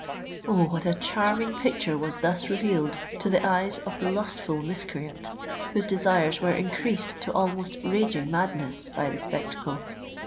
Oh! what a charming picture was thus revealed to the eyes of the lustful miscreant, whose desires were increased to almost raging madness by the spectacle!